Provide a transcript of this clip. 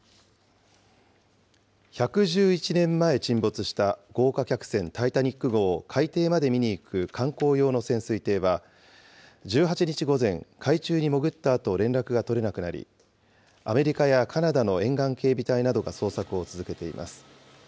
１１１年前沈没した豪華客船タイタニック号を海底まで見に行く観光用の潜水艇は、１８日午前、海中に潜ったあと連絡が取れなくなり、アメリカやカナダの沿岸警備隊などが捜索を続けています。